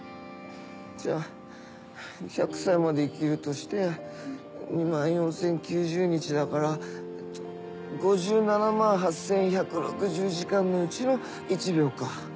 じゃあ１００歳まで生きるとして２万４０９０日だからえっと５７万８１６０時間のうちの１秒か。